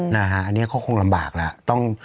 อันนี้ก็คงลำบากแล้ว